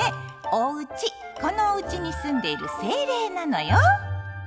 おうちこのおうちに住んでいる精霊なのよ。